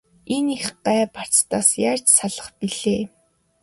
Энэ их гай барцдаас яаж салах билээ?